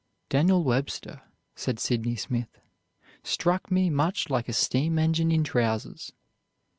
"Daniel Webster," said Sydney Smith, "struck me much like a steam engine in trousers."